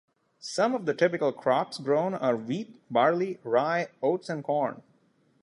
Some of the typical crops grown are wheat, barley, rye, oats and corn.